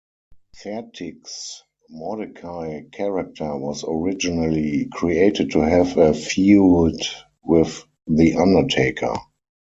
Fertig's Mordecai character was originally created to have a feud with The Undertaker.